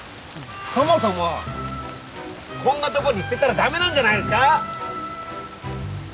そもそもこんなとこに捨てたら駄目なんじゃないですか？